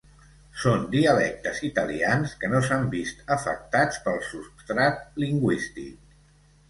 Són dialectes italians que no s'han vist afectats pel substrat lingüístic.